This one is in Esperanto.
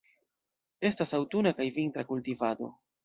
Estas aŭtuna kaj vintra kultivado.